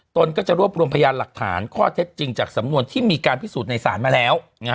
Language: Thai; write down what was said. ตนก็จะรวบรวมพยานหลักฐานข้อเท็จจริงจากสำนวนที่มีการพิสูจน์ในศาลมาแล้ว